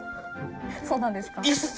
そうなんですか？